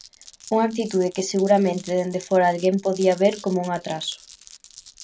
Unha actitude que seguramente dende fóra alguén podía ver como un atraso.